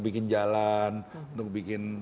bikin jalan untuk bikin